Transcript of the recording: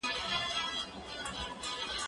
زه به سبا سبزیجات جمع کړم؟